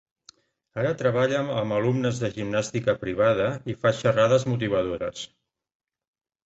Ara treballa amb alumnes de gimnàstica privada i fa xerrades motivadores.